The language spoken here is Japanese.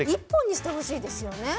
１本にしてほしいですよね。